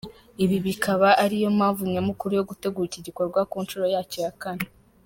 Ibi bikaba ariyo mpamvu nyamukuru yo gutegura iki gikorwa ku nshuro yacyo ya kane.